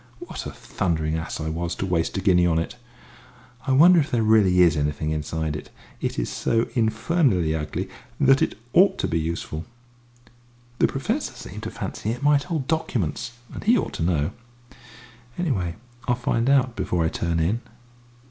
What a thundering ass I was to waste a guinea on it! I wonder if there really is anything inside it. It is so infernally ugly that it ought to be useful. The Professor seemed to fancy it might hold documents, and he ought to know. Anyway, I'll find out before I turn in."